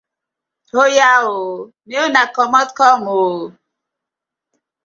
Oya ooo!! Mek una komot kom oo!